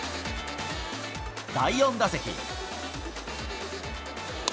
第４打席。